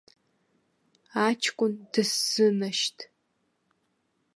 Аҷкәын дысзынашьҭ.